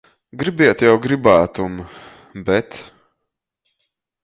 Gribiet jau grybātum, bet...